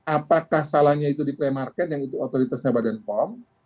apakah salahnya itu di play market yang itu otoritasnya badan pom